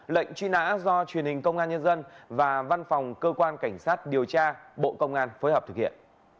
lệnh truy nã do truyền hình công an nhân dân và văn phòng cơ quan cảnh sát điều tra bộ công an phối hợp thực hiện